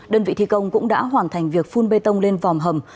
đơn vị thi công cũng đã hoàn thành việc phun bê tông lên vòm hầm